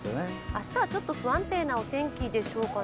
明日はちょっと不安定なお天気でしょうかね